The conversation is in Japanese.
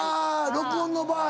録音の場合。